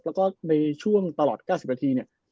แล้วก็ในช่วงตลอด๙๐นาทีเนี่ย